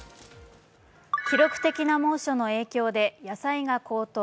記録的な猛暑の影響で野菜が高騰。